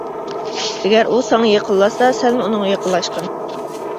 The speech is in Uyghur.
ئەگەر ئۇ ساڭا يېقىنلاشسا، سەنمۇ ئۇنىڭغا يېقىنلاشقىن.